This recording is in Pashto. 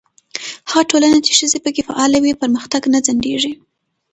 هغه ټولنه چې ښځې پکې فعاله وي، پرمختګ نه ځنډېږي.